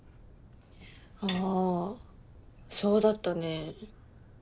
ああそうだったね。